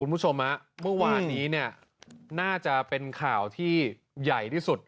คุณผู้ชมเมื่อวานนี้เนี่ยน่าจะเป็นข่าวที่ใหญ่ที่สุด